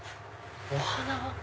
お花。